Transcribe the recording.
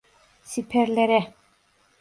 Siperlere!